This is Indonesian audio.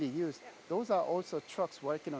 untuk penggunaan sehari hari anda